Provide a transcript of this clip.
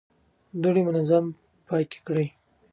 دوړې منظم پاکې کړئ.